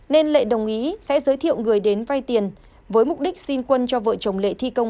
nên lệ đồng ý sẽ giới thiệu người đến vay tiền với mục đích xin quân cho vợ chồng lệ thi công